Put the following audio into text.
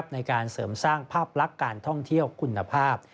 ในการเสริมสร้างภาพลักษณ์การท่องเที่ยวคุณภาพ